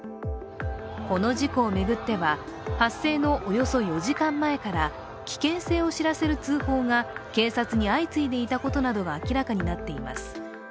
この事故を巡っては発生のおよそ４時間前から危険性を知らせる通報が警察に相次いでいたことなどが明らかになっています。